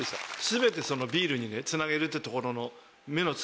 全てビールにつなげるってところの。